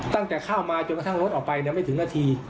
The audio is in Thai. ตั้งแต่เข้ามาจนกระทั่งรถออกไปไม่ถึงนาที